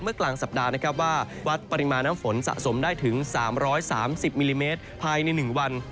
เมื่อกลางสัปดาห์วัดปริมาณน้ำฝนสะสมได้ถึง๓๓๐มิลลิเมตรภายในหนึ่งวัน